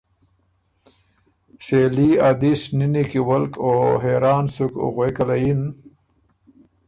سېلی ا دِس نِنی کی ولک او حېران سُک غوېکه له یِن۔